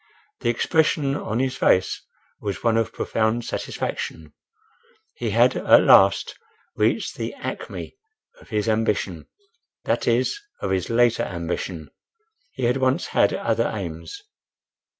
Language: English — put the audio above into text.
The expression on his face was one of profound satisfaction. He had at last reached the acme of his ambition—that is, of his later ambition. (He had once had other aims.)